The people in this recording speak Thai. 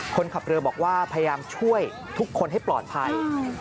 คนขับเรือบอกว่าพยายามช่วยทุกคนให้ปลอดภัย